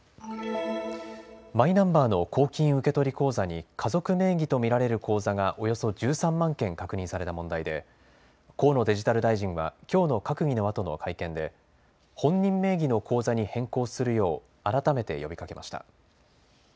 マイナンバーの公金受取口座に家族名義と見られる口座がおよそ１３万件確認された問題で河野デジタル大臣はきょうの閣議のあとの会見で本人名義の口座に変更するよう改めて呼びかけました。